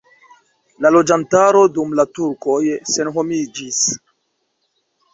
La loĝantaro dum la turkoj senhomiĝis.